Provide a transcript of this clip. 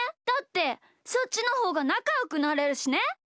だってそっちのほうがなかよくなれるしね。